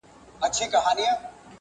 که ما غواړی درسره به یم یارانو!.